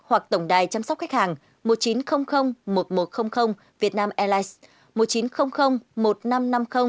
hoặc tổng đài chăm sóc khách hàng một nghìn chín trăm linh một nghìn một trăm linh vietnam airlines